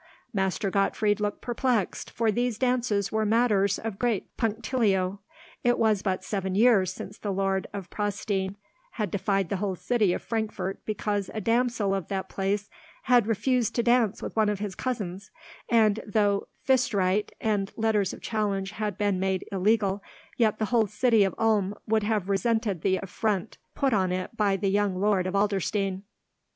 Master Gottfried looked perplexed, for these dances were matters of great punctilio. It was but seven years since the Lord of Praunstein had defied the whole city of Frankfort because a damsel of that place had refused to dance with one of his Cousins; and, though "Fistright" and letters of challenge had been made illegal, yet the whole city of Ulm would have resented the affront put on it by the young lord of Adlerstein.